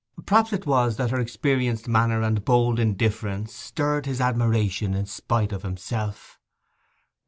Perhaps it was that her experienced manner and hold indifference stirred his admiration in spite of himself.